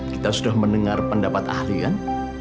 kita sudah mendengar pendapat ahli kan